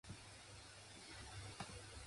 It has been recorded from Laos and Vietnam.